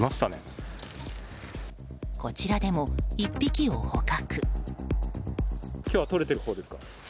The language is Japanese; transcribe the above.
こちらでも１匹を捕獲。